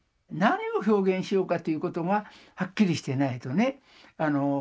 何を表現しようかということがはっきりしてないとね